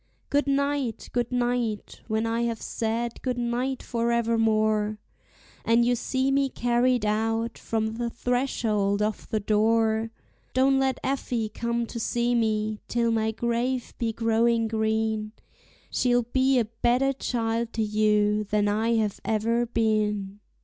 Good night! good night! when I have said good night forevermore, And you see me carried out from the threshold of the door, Don't let Effie come to see me till my grave be growing green, She'll be a better child to you than ever I have been.